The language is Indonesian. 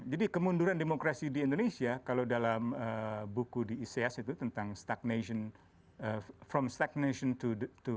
jadi kemunduran demokrasi di indonesia kalau dalam buku di ics itu tentang stagnation from stagnation to regression